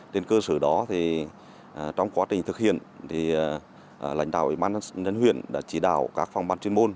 trên cơ sở đó trong quá trình thực hiện thì lãnh đạo ủy ban nhân dân huyện đã chỉ đạo các phòng ban chuyên môn